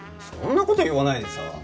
そんな事言わないでさ。